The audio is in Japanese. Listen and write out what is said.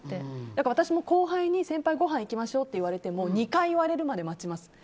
私も後輩に先輩、ごはん行きましょうと言われても２回言われるまで待ちます。